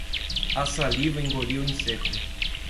A saliva engoliu em seco.